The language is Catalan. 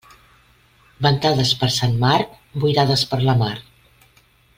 Ventades per Sant Marc, boirades per la mar.